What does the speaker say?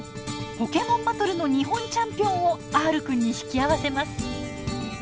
ポケモンバトルの日本チャンピオンをＲくんに引き合わせます。